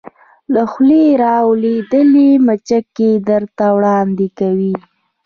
له خولې را لویدلې مچکې درته وړاندې کوې